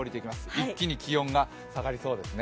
一気に気温が下がりそうですね。